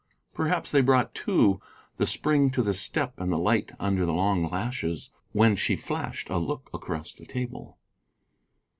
Perhaps they brought, too, the spring to the step and the light under the long lashes when she flashed a look across the table.